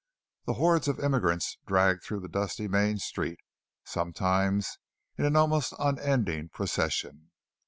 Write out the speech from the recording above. The hordes of immigrants dragged through the dusty main street, sometimes in an almost unending procession.